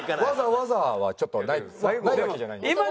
わざわざはちょっとないです。